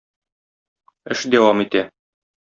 Эш дәвам итә.